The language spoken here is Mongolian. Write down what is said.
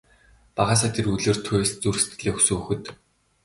Багаасаа тэр үлгэр туульст зүрх сэтгэлээ өгсөн хүүхэд.